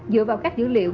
dựa vào các dữ liệu